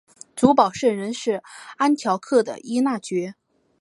主保圣人是安条克的依纳爵。